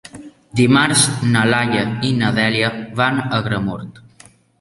Dimarts na Laia i na Dèlia van a Agramunt.